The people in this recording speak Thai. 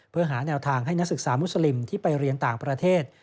เพื่อหาแนวทางให้นักศึกษามุสลิมที่ไปเรียนต่างประเทศ